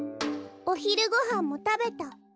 おひるごはんもたべた。